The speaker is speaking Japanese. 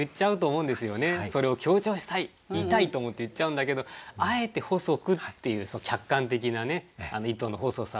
それを強調したい言いたいと思って言っちゃうんだけどあえて「細く」っていう客観的な糸の細さを言う。